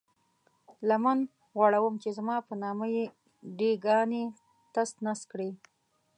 لمن غوړوم چې زما په نامه اې ډي ګانې تس نس کړئ.